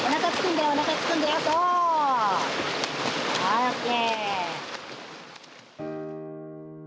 はいＯＫ！